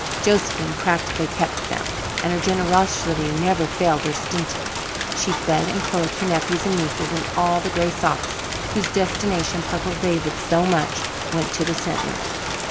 Josephine practically kept them, and her generosity never failed or stinted. She fed and clothed her nephews and nieces, and all the gray socks whose destination puzzled David so much went to the Sentners.